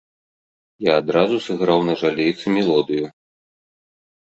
Я адразу сыграў на жалейцы мелодыю.